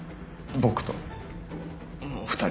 僕ともう２人です。